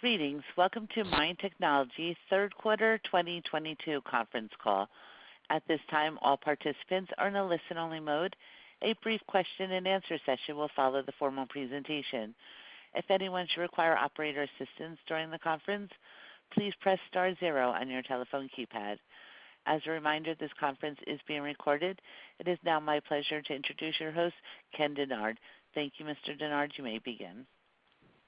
Greetings. Welcome to MIND Technology third quarter 2022 conference call. At this time, all participants are in a listen-only mode. A brief question and answer session will follow the formal presentation. If anyone should require operator assistance during the conference, please press star zero on your telephone keypad. As a reminder, this conference is being recorded. It is now my pleasure to introduce your host, Ken Dennard. Thank you, Mr. Dennard. You may begin.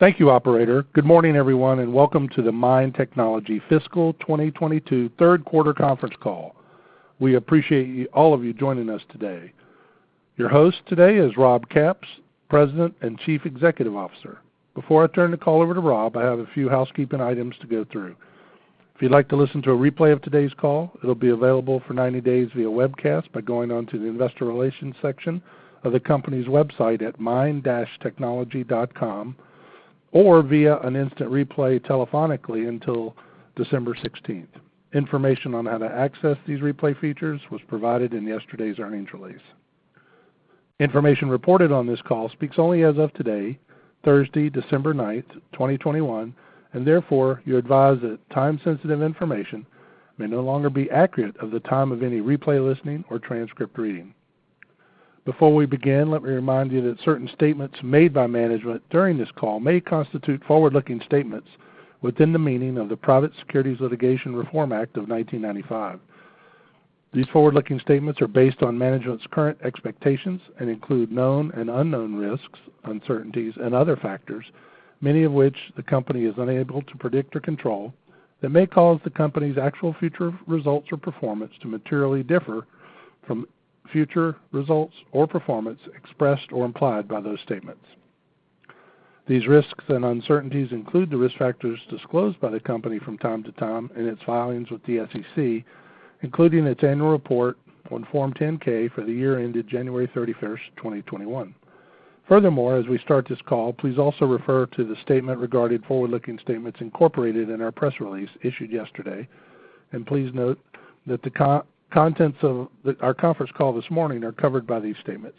Thank you, operator. Good morning, everyone, and welcome to the MIND Technology fiscal 2022 third quarter conference call. We appreciate all of you joining us today. Your host today is Rob Capps, President and Chief Executive Officer. Before I turn the call over to Rob, I have a few housekeeping items to go through. If you'd like to listen to a replay of today's call, it'll be available for 90 days via webcast by going on to the investor relations section of the company's website at mind-technology.com or via an instant replay telephonically until December 16. Information on how to access these replay features was provided in yesterday's earnings release. Information reported on this call speaks only as of today, Thursday, December 9, 2021, and therefore you're advised that time-sensitive information may no longer be accurate as of the time of any replay listening or transcript reading. Before we begin, let me remind you that certain statements made by management during this call may constitute forward-looking statements within the meaning of the Private Securities Litigation Reform Act of 1995. These forward-looking statements are based on management's current expectations and include known and unknown risks, uncertainties and other factors, many of which the company is unable to predict or control that may cause the company's actual future results or performance to materially differ from future results or performance expressed or implied by those statements. These risks and uncertainties include the risk factors disclosed by the company from time to time in its filings with the SEC, including its annual report on Form 10-K for the year ended January 31, 2021. Furthermore, as we start this call, please also refer to the statement regarding forward-looking statements incorporated in our press release issued yesterday. Please note that the contents of our conference call this morning are covered by these statements.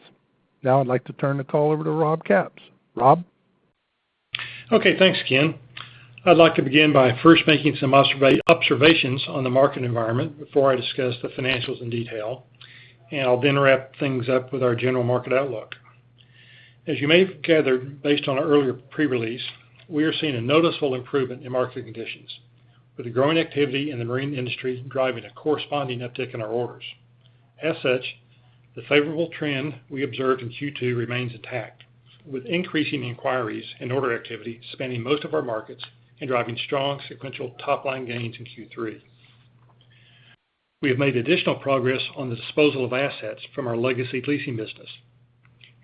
Now I'd like to turn the call over to Rob Capps. Rob. Okay, thanks, Ken. I'd like to begin by first making some observations on the market environment before I discuss the financials in detail, and I'll then wrap things up with our general market outlook. As you may have gathered, based on our earlier pre-release, we are seeing a noticeable improvement in market conditions with the growing activity in the marine industry driving a corresponding uptick in our orders. As such, the favorable trend we observed in Q2 remains intact, with increasing inquiries and order activity spanning most of our markets and driving strong sequential top-line gains in Q3. We have made additional progress on the disposal of assets from our legacy leasing business.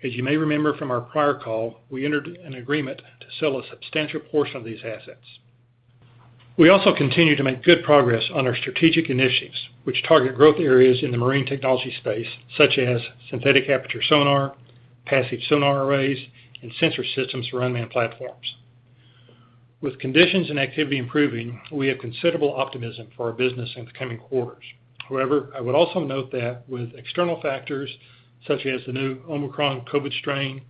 As you may remember from our prior call, we entered an agreement to sell a substantial portion of these assets. We also continue to make good progress on our strategic initiatives, which target growth areas in the marine technology space, such as synthetic aperture sonar, passive sonar arrays, and sensor systems for unmanned platforms. With conditions and activity improving, we have considerable optimism for our business in the coming quarters. However, I would also note that with external factors such as the new Omicron COVID strain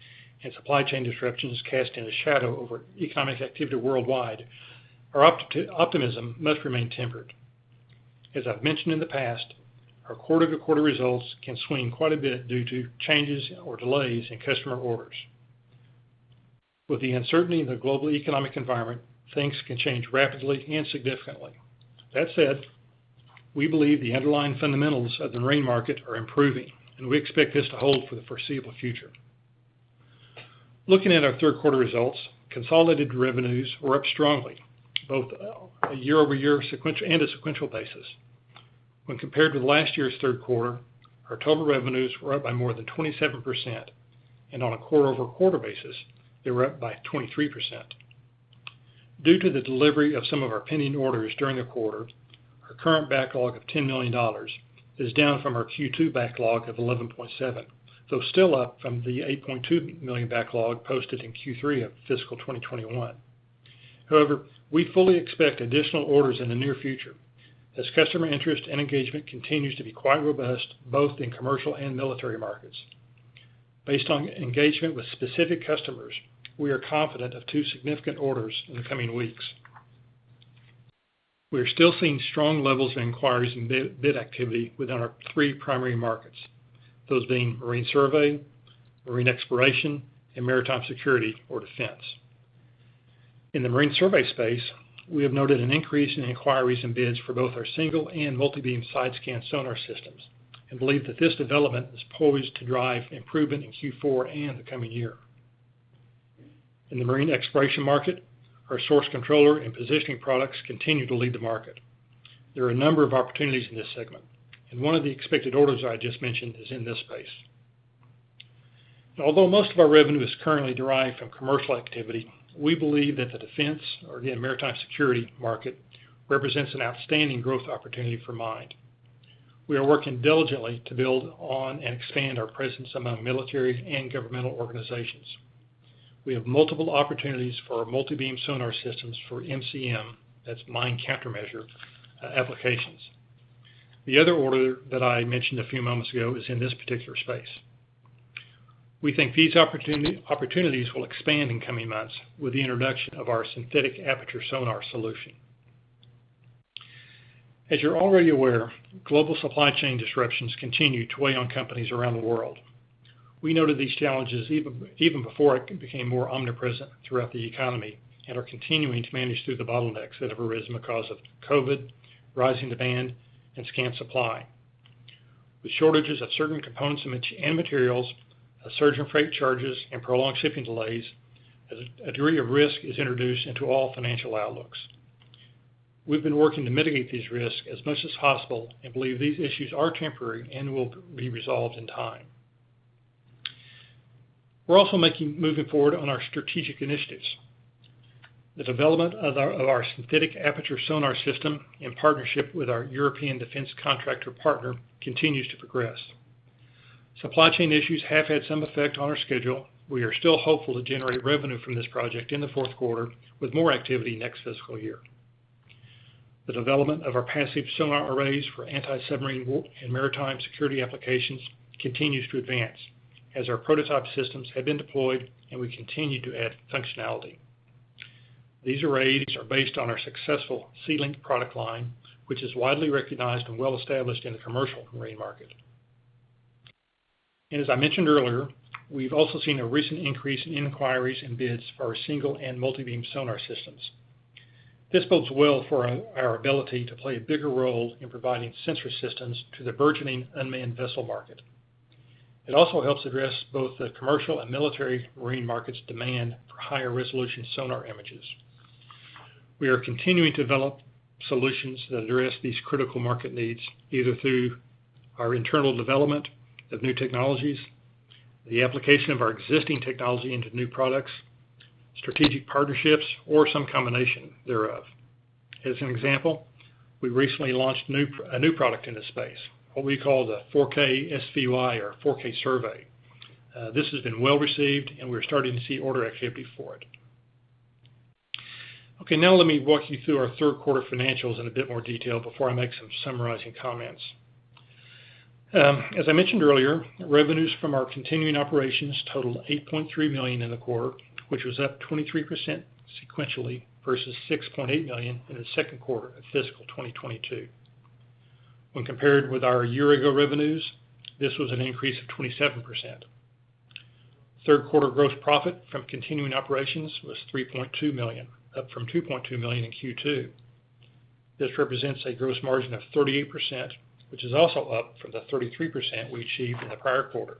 and supply chain disruptions casting a shadow over economic activity worldwide, our optimism must remain tempered. As I've mentioned in the past, our quarter-to-quarter results can swing quite a bit due to changes or delays in customer orders. With the uncertainty in the global economic environment, things can change rapidly and significantly. That said, we believe the underlying fundamentals of the marine market are improving, and we expect this to hold for the foreseeable future. Looking at our third quarter results, consolidated revenues were up strongly, both a year-over-year and a sequential basis. When compared with last year's third quarter, our total revenues were up by more than 27%. On a quarter-over-quarter basis, they were up by 23%. Due to the delivery of some of our pending orders during the quarter, our current backlog of $10 million is down from our Q2 backlog of $11.7 million, though still up from the $8.2 million backlog posted in Q3 of fiscal 2021. However, we fully expect additional orders in the near future as customer interest and engagement continues to be quite robust, both in commercial and military markets. Based on engagement with specific customers, we are confident of two significant orders in the coming weeks. We are still seeing strong levels of inquiries and bi-bid activity within our three primary markets, those being marine survey, marine exploration, and maritime security or defense. In the marine survey space, we have noted an increase in inquiries and bids for both our single and multi-beam side-scan sonar systems and believe that this development is poised to drive improvement in Q4 and the coming year. In the marine exploration market, our source controller and positioning products continue to lead the market. There are a number of opportunities in this segment, and one of the expected orders I just mentioned is in this space. Although most of our revenue is currently derived from commercial activity, we believe that the defense or again maritime security market represents an outstanding growth opportunity for MIND. We are working diligently to build on and expand our presence among military and governmental organizations. We have multiple opportunities for our multi-beam sonar systems for MCM, that's mine countermeasure applications. The other order that I mentioned a few moments ago is in this particular space. We think these opportunities will expand in coming months with the introduction of our synthetic aperture sonar solution. As you're already aware, global supply chain disruptions continue to weigh on companies around the world. We noted these challenges even before it became more omnipresent throughout the economy and are continuing to manage through the bottlenecks that have arisen because of COVID, rising demand, and scant supply. With shortages of certain components and materials, a surge in freight charges, and prolonged shipping delays, a degree of risk is introduced into all financial outlooks. We've been working to mitigate these risks as much as possible and believe these issues are temporary and will be resolved in time. We're moving forward on our strategic initiatives. The development of our synthetic aperture sonar system in partnership with our European defense contractor partner continues to progress. Supply chain issues have had some effect on our schedule. We are still hopeful to generate revenue from this project in the fourth quarter with more activity next fiscal year. The development of our passive sonar arrays for anti-submarine war and maritime security applications continues to advance as our prototype systems have been deployed and we continue to add functionality. These arrays are based on our successful SeaLink product line, which is widely recognized and well established in the commercial marine market. As I mentioned earlier, we've also seen a recent increase in inquiries and bids for our single and multi-beam sonar systems. This bodes well for our ability to play a bigger role in providing sensor systems to the burgeoning unmanned vessel market. It also helps address both the commercial and military marine markets' demand for higher resolution sonar images. We are continuing to develop solutions that address these critical market needs, either through our internal development of new technologies, the application of our existing technology into new products, strategic partnerships, or some combination thereof. As an example, we recently launched a new product into space, what we call the KLEIN 4K-SVY or 4K Survey. This has been well received, and we're starting to see order activity for it. Okay, now let me walk you through our third quarter financials in a bit more detail before I make some summarizing comments. As I mentioned earlier, revenues from our continuing operations totaled $8.3 million in the quarter, which was up 23% sequentially versus $6.8 million in the second quarter of fiscal 2022. When compared with our year-ago revenues, this was an increase of 27%. Third quarter gross profit from continuing operations was $3.2 million, up from $2.2 million in Q2. This represents a gross margin of 38%, which is also up from the 33% we achieved in the prior quarter.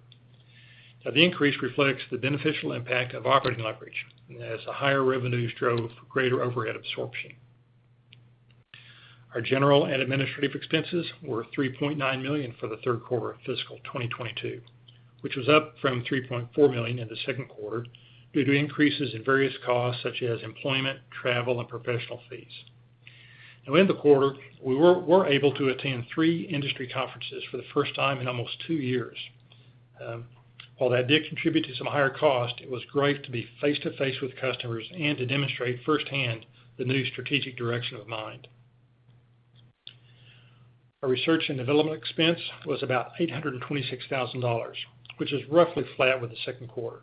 Now, the increase reflects the beneficial impact of operating leverage as the higher revenues drove greater overhead absorption. Our general and administrative expenses were $3.9 million for the third quarter of fiscal 2022, which was up from $3.4 million in the second quarter due to increases in various costs such as employment, travel, and professional fees. Now in the quarter, we were able to attend three industry conferences for the first time in almost two years. While that did contribute to some higher cost, it was great to be face to face with customers and to demonstrate firsthand the new strategic direction of MIND. Our research and development expense was about $826,000, which is roughly flat with the second quarter.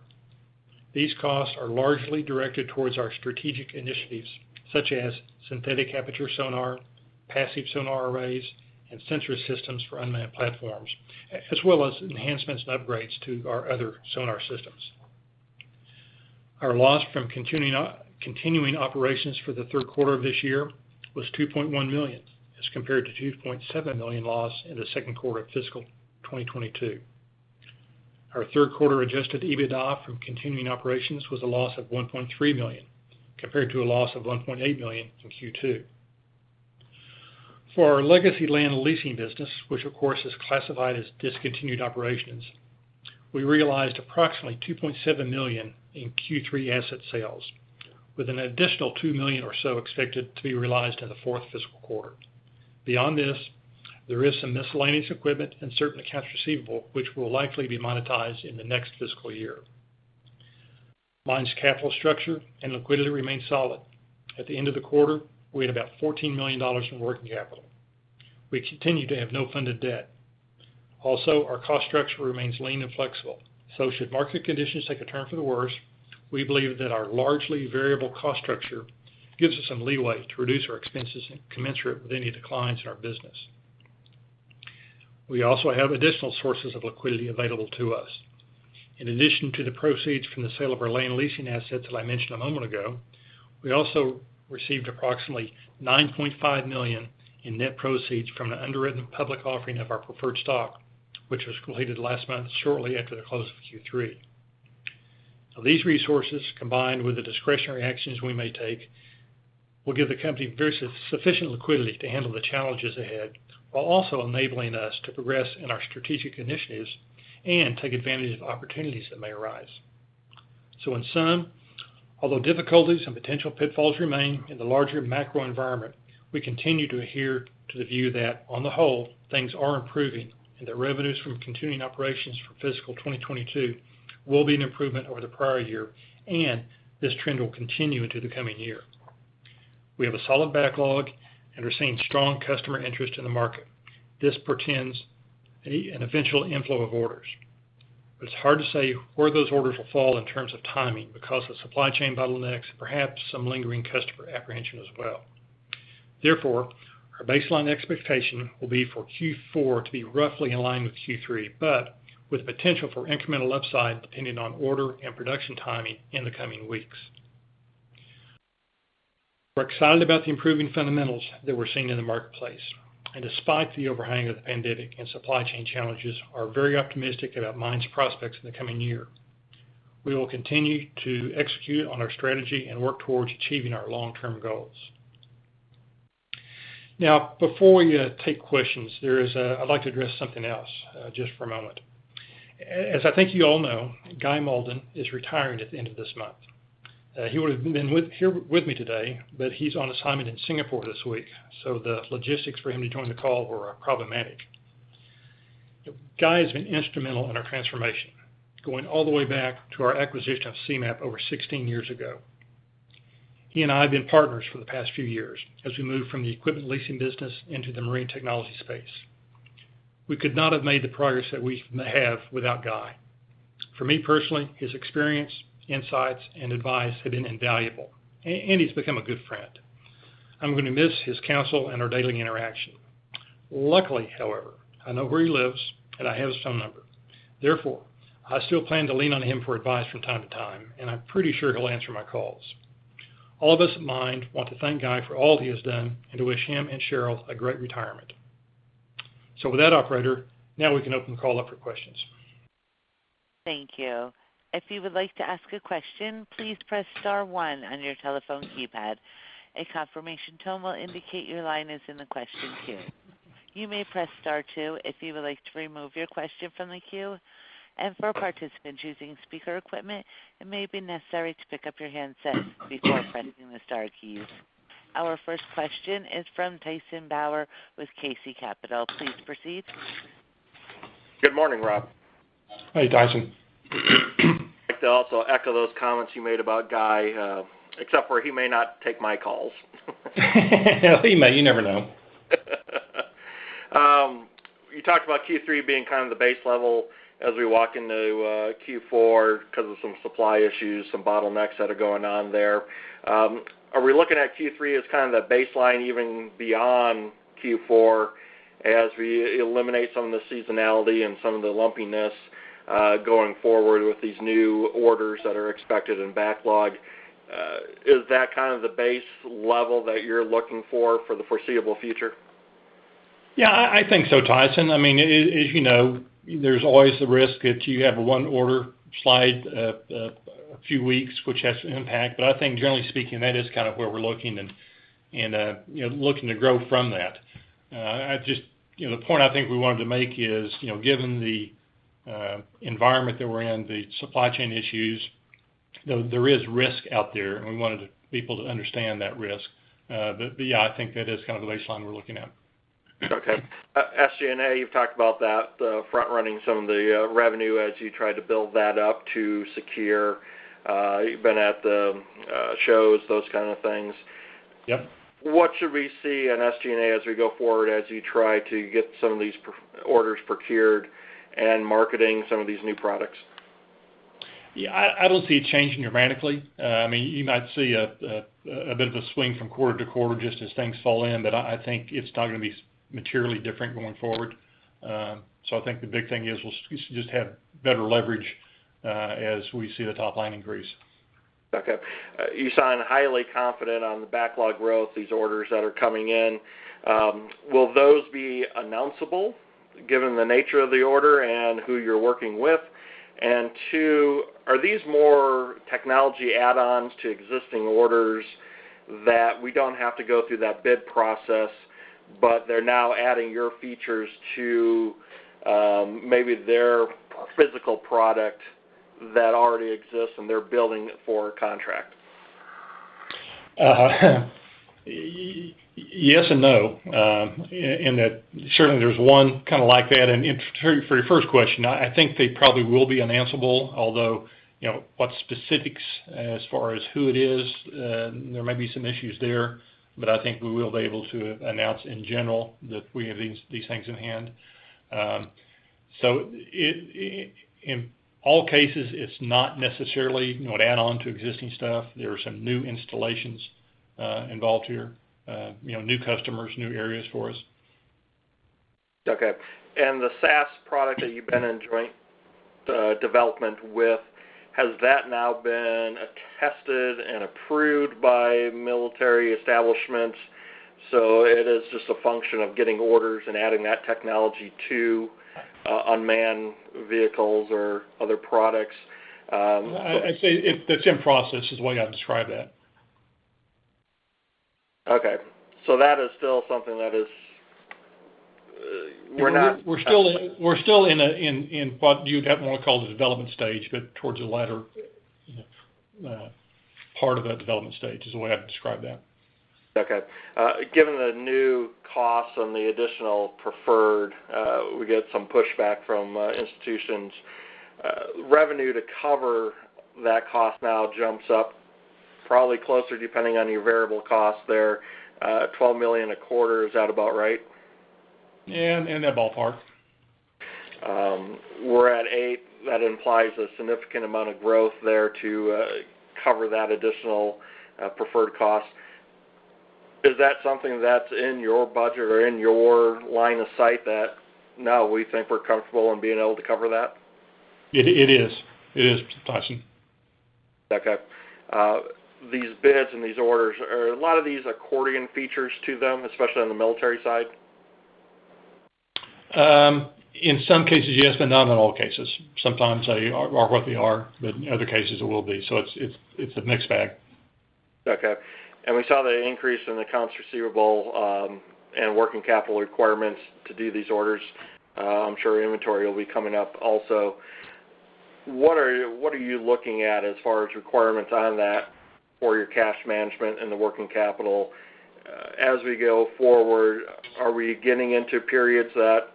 These costs are largely directed towards our strategic initiatives such as synthetic aperture sonar, passive sonar arrays, and sensor systems for unmanned platforms, as well as enhancements and upgrades to our other sonar systems. Our loss from continuing operations for the third quarter of this year was $2.1 million, as compared to $2.7 million loss in the second quarter of fiscal 2022. Our third quarter adjusted EBITDA from continuing operations was a loss of $1.3 million, compared to a loss of $1.8 million in Q2. For our legacy land leasing business, which of course is classified as discontinued operations, we realized approximately $2.7 million in Q3 asset sales, with an additional $2 million or so expected to be realized in the fourth fiscal quarter. Beyond this, there is some miscellaneous equipment and certain accounts receivable, which will likely be monetized in the next fiscal year. MIND's capital structure and liquidity remain solid. At the end of the quarter, we had about $14 million in working capital. We continue to have no funded debt. Also, our cost structure remains lean and flexible. Should market conditions take a turn for the worse, we believe that our largely variable cost structure gives us some leeway to reduce our expenses commensurate with any declines in our business. We also have additional sources of liquidity available to us. In addition to the proceeds from the sale of our land leasing assets that I mentioned a moment ago, we also received approximately $9.5 million in net proceeds from an underwritten public offering of our preferred stock, which was completed last month shortly after the close of Q3. These resources, combined with the discretionary actions we may take, will give the company very sufficient liquidity to handle the challenges ahead while also enabling us to progress in our strategic initiatives and take advantage of opportunities that may arise. In sum, although difficulties and potential pitfalls remain in the larger macro environment, we continue to adhere to the view that, on the whole, things are improving and that revenues from continuing operations for fiscal 2022 will be an improvement over the prior year, and this trend will continue into the coming year. We have a solid backlog and are seeing strong customer interest in the market. This portends an eventual inflow of orders. It's hard to say where those orders will fall in terms of timing because of supply chain bottlenecks, perhaps some lingering customer apprehension as well. Therefore, our baseline expectation will be for Q4 to be roughly in line with Q3, but with potential for incremental upside depending on order and production timing in the coming weeks. We're excited about the improving fundamentals that we're seeing in the marketplace. Despite the overhang of the pandemic and supply chain challenges, we are very optimistic about MIND's prospects in the coming year. We will continue to execute on our strategy and work towards achieving our long-term goals. Now, before we take questions, I'd like to address something else, just for a moment. As I think you all know, Guy Malden is retiring at the end of this month. He would have been here with me today, but he's on assignment in Singapore this week, so the logistics for him to join the call were problematic. Guy has been instrumental in our transformation, going all the way back to our acquisition of Seamap over 16 years ago. He and I have been partners for the past few years as we moved from the equipment leasing business into the marine technology space. We could not have made the progress that we have without Guy. For me personally, his experience, insights, and advice have been invaluable, and he's become a good friend. I'm gonna miss his counsel and our daily interaction. Luckily, however, I know where he lives, and I have his phone number. Therefore, I still plan to lean on him for advice from time to time, and I'm pretty sure he'll answer my calls. All of us at MIND want to thank Guy for all he has done and to wish him and Cheryl a great retirement. With that, operator, now we can open the call up for questions. Thank you. If you would like to ask a question, please press star one on your telephone keypad. A confirmation tone will indicate your line is in the question queue. You may press star two if you would like to remove your question from the queue. For participants using speaker equipment, it may be necessary to pick up your handset before pressing the star keys. Our first question is from Tyson Bauer with KC Capital. Please proceed. Good morning, Rob. Hey, Tyson. I'd like to also echo those comments you made about Guy, except for he may not take my calls. He may. You never know. You talked about Q3 being kind of the base level as we walk into Q4 because of some supply issues, some bottlenecks that are going on there. Are we looking at Q3 as kind of the baseline even beyond Q4 as we eliminate some of the seasonality and some of the lumpiness going forward with these new orders that are expected in backlog? Is that kind of the base level that you're looking for for the foreseeable future? Yeah, I think so, Tyson. I mean, you know, there's always the risk if you have one order slide a few weeks, which has an impact. I think generally speaking, that is kind of where we're looking and you know, looking to grow from that. I just, you know, the point I think we wanted to make is, you know, given the environment that we're in, the supply chain issues, there is risk out there, and we wanted people to understand that risk. Yeah, I think that is kind of the baseline we're looking at. Okay. SG&A, you've talked about that, the front-running some of the revenue as you try to build that up to secure, you've been at the shows, those kind of things. Yep. What should we see in SG&A as we go forward, as you try to get some of these orders procured and marketing some of these new products? Yeah, I don't see it changing dramatically. I mean, you might see a bit of a swing from quarter to quarter just as things fall in, but I think it's not gonna be materially different going forward. I think the big thing is we'll just have better leverage as we see the top line increase. Okay. You sound highly confident on the backlog growth, these orders that are coming in. Will those be announceable given the nature of the order and who you're working with? Two, are these more technology add-ons to existing orders that we don't have to go through that bid process, but they're now adding your features to maybe their physical product that already exists, and they're building it for a contract? Yes and no, in that certainly there's one kinda like that. For your first question, I think they probably will be announceable, although, you know, what specifics as far as who it is, there may be some issues there, but I think we will be able to announce in general that we have these things in hand. In all cases, it's not necessarily, you know, an add-on to existing stuff. There are some new installations involved here, you know, new customers, new areas for us. Okay. The SAS product that you've been in joint development with, has that now been tested and approved by military establishments? It is just a function of getting orders and adding that technology to unmanned vehicles or other products, for- I'd say it's in process is the way I'd describe that. Okay. That is still something that we're not. We're still in what you'd wanna call the development stage, but towards the latter part of that development stage is the way I'd describe that. Okay. Given the new costs on the additional preferred, we get some pushback from institutions. Revenue to cover that cost now jumps up probably closer, depending on your variable costs there, $12 million a quarter. Is that about right? Yeah. In that ballpark. We're at eight. That implies a significant amount of growth there to cover that additional preferred cost. Is that something that's in your budget or in your line of sight that, "No, we think we're comfortable in being able to cover that? It is, Tyson. Okay. These bids and these orders, are there a lot of these accordion features to them, especially on the military side? In some cases, yes, but not in all cases. Sometimes they are what they are, but in other cases it will be. It's a mixed bag. Okay. We saw the increase in accounts receivable, and working capital requirements to do these orders. I'm sure inventory will be coming up also. What are you looking at as far as requirements on that for your cash management and the working capital, as we go forward? Are we getting into periods that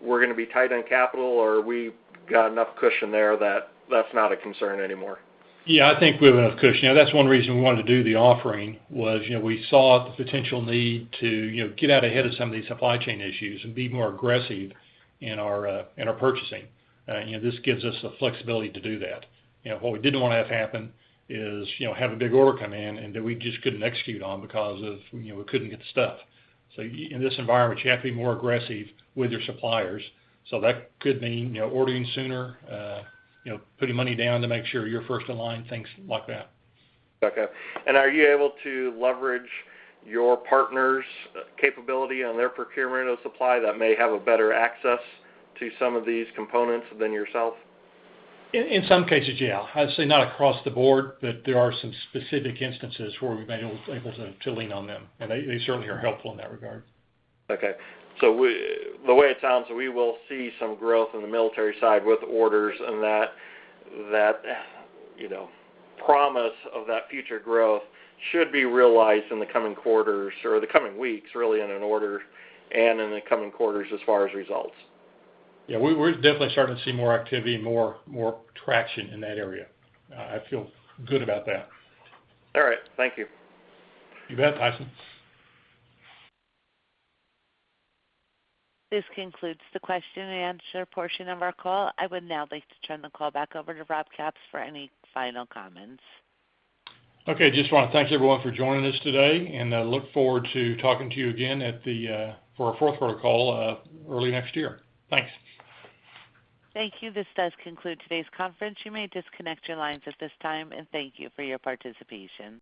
we're gonna be tight on capital, or we got enough cushion there that that's not a concern anymore? Yeah. I think we have enough cushion. That's one reason we wanted to do the offering, was, you know, we saw the potential need to, you know, get out ahead of some of these supply chain issues and be more aggressive in our purchasing. You know, this gives us the flexibility to do that. You know, what we didn't wanna have happen is, you know, have a big order come in and that we just couldn't execute on because of, you know, we couldn't get the stuff. In this environment, you have to be more aggressive with your suppliers, so that could mean, you know, ordering sooner, you know, putting money down to make sure you're first in line, things like that. Okay. Are you able to leverage your partners' capability on their procurement of supply that may have a better access to some of these components than yourself? In some cases, yeah. I'd say not across the board, but there are some specific instances where we've been able to lean on them, and they certainly are helpful in that regard. The way it sounds, we will see some growth in the military side with orders and that, you know, promise of that future growth should be realized in the coming quarters or the coming weeks, really in an order, and in the coming quarters as far as results. Yeah. We're definitely starting to see more activity, more traction in that area. I feel good about that. All right. Thank you. You bet, Tyson. This concludes the question and answer portion of our call. I would now like to turn the call back over to Rob Capps for any final comments. Okay. Just wanna thank everyone for joining us today, and I look forward to talking to you again at the for our fourth quarter call early next year. Thanks. Thank you. This does conclude today's conference. You may disconnect your lines at this time, and thank you for your participation.